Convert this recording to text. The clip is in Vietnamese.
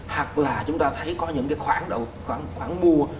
hoặc là chúng ta thấy có những cái khoản